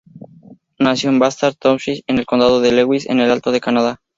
Nació en Bastard Township, en el Condado de Leeds, en el Alto Canadá.